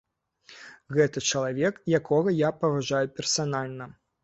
Гэта чалавек, якога я паважаю персанальна.